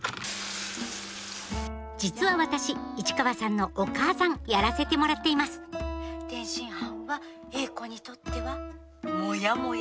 実は私市川さんのお母さんやらせてもらっています「天津飯は詠子にとってはモヤモヤ飯」。